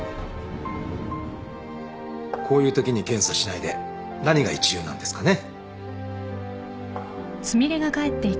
こういうときに検査しないで何が一流なんですかね。